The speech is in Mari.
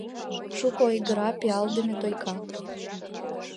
Шуко ойгыра пиалдыме Тойка.